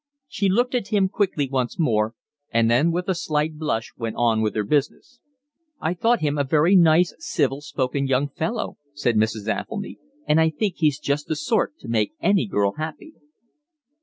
She looked at him quickly once more, and then with a slight blush went on with her business. "I thought him a very nice civil spoken young fellow," said Mrs. Athelny, "and I think he's just the sort to make any girl happy."